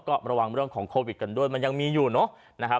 ก็ระวังเรื่องของโควิดกันด้วยมันยังมีอยู่เนอะนะครับ